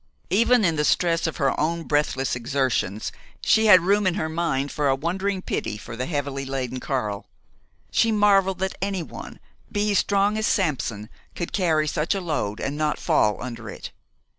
Even in the stress of her own breathless exertions she had room in her mind for a wondering pity for the heavily laden Karl. She marveled that anyone, be he strong as Samson, could carry such a load and not fall under it.